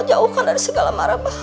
jauhkan dari segala marah bahaya